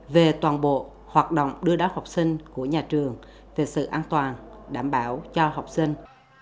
về toàn bộ hoạt động đưa đón học sinh của nhà trường về sự an toàn đảm bảo cho học sinh